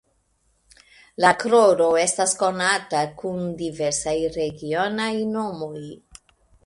La "kroro" estas konata kun diversaj regionaj nomoj.